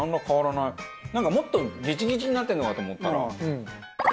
なんかもっとギチギチになってるのかと思ったら。